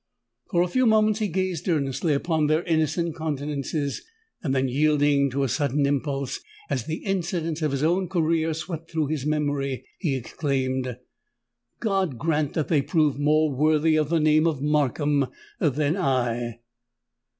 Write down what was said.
For a few moments he gazed earnestly upon their innocent countenances: then, yielding to a sudden impulse, as the incidents of his own career swept through his memory, he exclaimed, "God grant that they prove more worthy of the name of Markham than I!"